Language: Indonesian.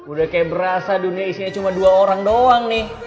udah kayak berasa dunia isinya cuma dua orang doang nih